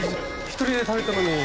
一人で食べたのに。